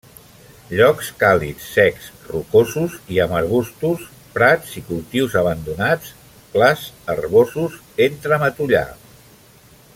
Llocs càlids, secs, rocosos i amb arbustos; prats i cultius abandonats; clars herbosos entre matollar.